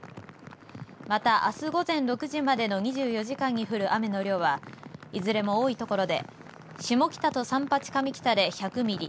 また、あす午前６時までの２４時間に降る雨の量はいずれも多いところで下北と三八上北で１００ミリ。